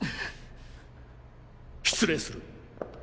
失礼する。